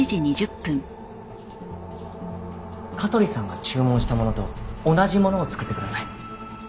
香取さんが注文したものと同じものを作ってください。